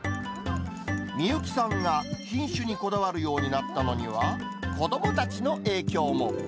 美幸さんが品種にこだわるようになったのには、子どもたちの影響